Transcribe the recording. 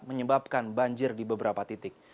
menyebabkan banjir di beberapa titik